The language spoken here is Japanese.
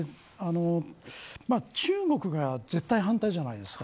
中国が絶対反対じゃないですか。